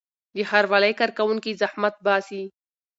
د ښاروالۍ کارکوونکي زحمت باسي.